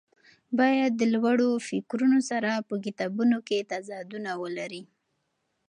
باید د لوړو فکرونو سره په کتابونو کې تضادونه ولري.